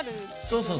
そうそう。